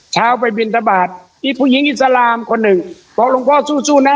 เช้าไปบินทะบาดพุหญิงอิสระภรรย์คนหนึ่งบอกหลวงพ่อสู้สู้นะ